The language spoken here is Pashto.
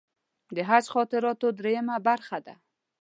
د حج خاطراتو درېیمه برخه ده.